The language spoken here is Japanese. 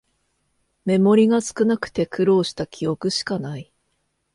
メモリが少なくて苦労した記憶しかない